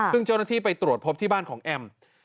ซึ่งเจ้าหน้าที่ไปตรวจพบที่บ้านของแอม